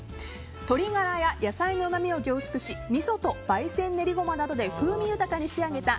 鶏ガラや野菜のうまみを凝縮しみそと焙煎練りゴマなどで風味豊かに仕上げた